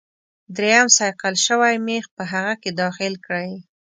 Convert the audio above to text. دریم صیقل شوی میخ په هغه کې داخل کړئ.